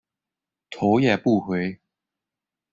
头也不回